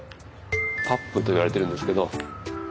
パップといわれているんですけど。